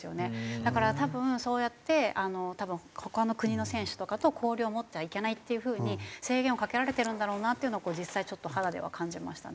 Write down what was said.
だから多分そうやって他の国の選手とかと交流を持ってはいけないっていうふうに制限をかけられているんだろうなっていうのは実際ちょっと肌では感じましたね